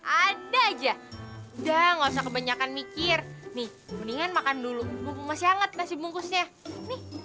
ada aja udah nggak usah kebanyakan mikir nih mendingan makan dulu mumpung masih hangat masih bungkusnya nih